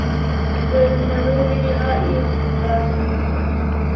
وَالنَّوَازِلَ غَائِرَةٌ